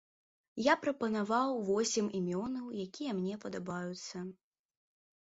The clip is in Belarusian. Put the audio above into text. Я прапанаваў восем імёнаў, якія мне падабаюцца.